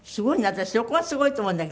私そこがすごいと思うんだけど。